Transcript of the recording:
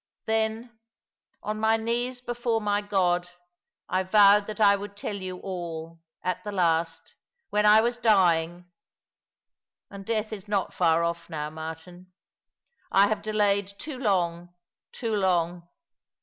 Then, on my knees before my God, I vowed that I would tell you all, at the last, when I was dying — and death is not far off now, Martin. I have delayed too long— too long